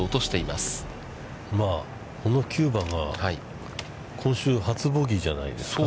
まあ、この９番は、今週、初ボギーじゃないですか。